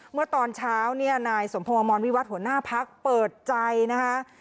เมื่อตอนเช้าเนี่ยนายสมพงศ์อมรวิวัตรหัวหน้าพักเปิดใจนะคะ